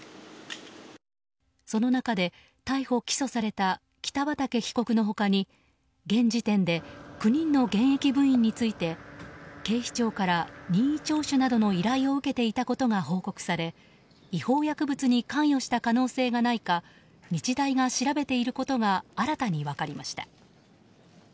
その中で、逮捕・起訴された北畠被告の他に現時点で９人の現役部員について警視庁から任意聴取などの依頼を受けていたことが報告され違法薬物に関与した可能性がないか日大が調べていることが新たに分かりました。